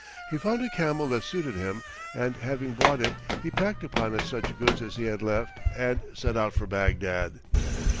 He found a camel that suited him, and having bought it he packed upon it such goods as he had left, and set out for Bagdad.